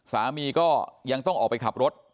สามีก็ยังต้องออกไปขับรถ